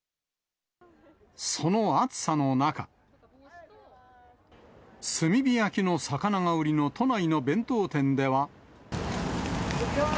その暑さの中、炭火焼きの魚が売りの都内の弁当店では。